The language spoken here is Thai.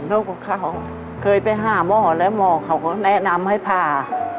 ลูกกับเขาเคยไปหาหมอแล้วหมอเขาก็แนะนำให้ผ่า